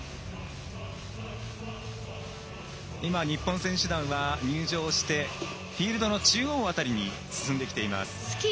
日本選手団は入場してフィールドの中央辺りに進んできています。